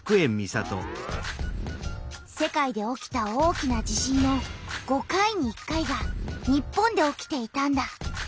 世界で起きた大きな地震の５回に１回が日本で起きていたんだ。